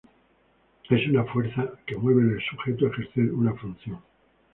Es una fuerza que mueve al sujeto a ejercer una función.